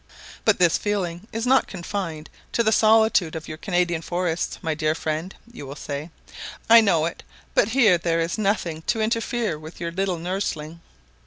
"But this feeling is not confined to the solitude of your Canadian forests, my dear friend," you will say. I know it; but here there is nothing to interfere with your little nursling.